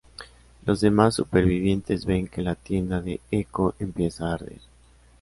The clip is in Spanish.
Los demás supervivientes ven que la tienda de Eko empieza a arder.